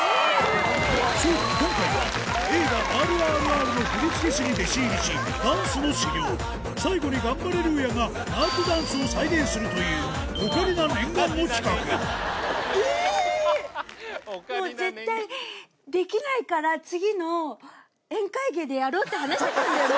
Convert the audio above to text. そう今回は映画『ＲＲＲ』の振付師に弟子入りしダンスの修業最後にガンバレルーヤがナートゥダンスを再現するというオカリナ念願の企画えぇ！って話してたんだよね。